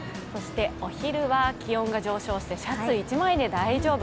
お昼は気温が上昇してシャツ１枚で大丈夫。